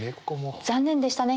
「残念でしたね」